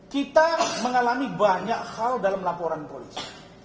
kita mengalami banyak hal dalam laporan polisi